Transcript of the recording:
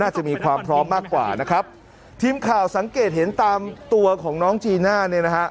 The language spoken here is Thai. จะมีความพร้อมมากกว่านะครับทีมข่าวสังเกตเห็นตามตัวของน้องจีน่าเนี่ยนะฮะ